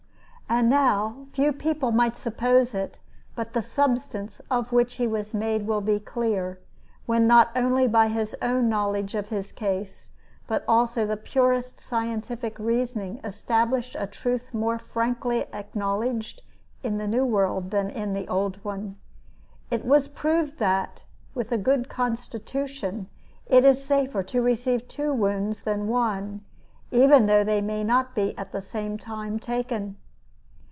And now, few people might suppose it, but the substance of which he was made will be clear, when not only his own knowledge of his case but also the purest scientific reasoning established a truth more frankly acknowledged in the New World than in the Old one. It was proved that, with a good constitution, it is safer to receive two wounds than one, even though they may not be at the same time taken.